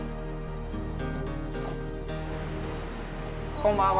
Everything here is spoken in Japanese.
こんばんは。